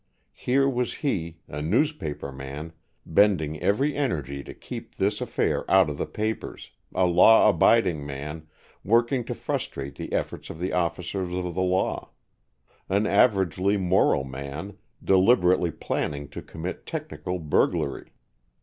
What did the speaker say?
Here was he, a newspaper man, bending every energy to keep this affair out of the papers; a law abiding man, working to frustrate the efforts of the officers of the law; an averagely moral man, deliberately planning to commit technical burglary.